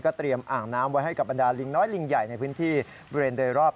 เตรียมอ่างน้ำไว้ให้กับบรรดาลิงน้อยลิงใหญ่ในพื้นที่บริเวณโดยรอบ